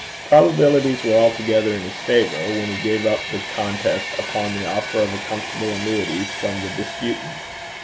Probabilities were altogether in his favour, when he gave up the contest upon the offer of a comfortable annuity from the disputant.